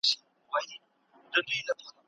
له زاړه امالبلاده